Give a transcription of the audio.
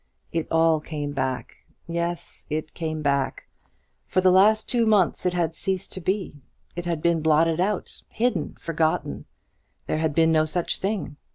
It all came back. Yes, it came back. For the last two months it had ceased to be; it had been blotted out hidden, forgotten; there had been no such thing.